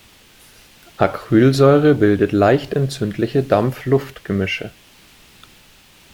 Acrylsäure bildet leicht entzündliche Dampf-Luft-Gemische.